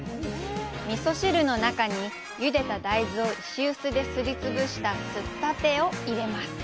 味噌汁の中に、ゆでた大豆を石臼ですり潰した、すったてを入れます。